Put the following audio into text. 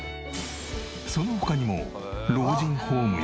その他にも老人ホームや。